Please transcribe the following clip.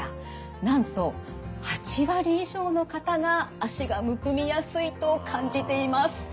なんと８割以上の方が脚がむくみやすいと感じています。